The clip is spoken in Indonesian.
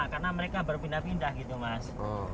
karena mereka berpindah pindah gitu mas